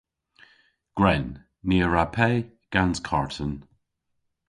Gwren. Ni a wra pe gans karten.